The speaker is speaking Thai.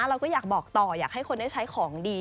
เราก็อยากบอกต่ออยากให้คนได้ใช้ของดี